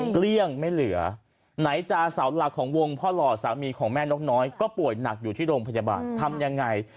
เกลี้ยงไม่เหลือไหนจะเสาหลักของวงพ่อหล่อสามีของแม่นกน้อยก็ป่วยหนักอยู่ที่โรงพยาบาลทำยังไง